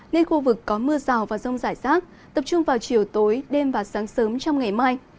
nên khu vực có mưa rào và rông rải rác tập trung vào chiều tối đêm và sáng sớm trong ngày mai